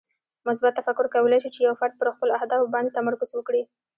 مثبت تفکر کولی شي چې یو فرد پر خپلو اهدافو باندې تمرکز وکړي.